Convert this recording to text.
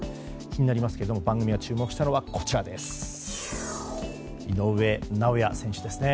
気になりますけども番組が注目したのはこちら井上尚弥選手ですね。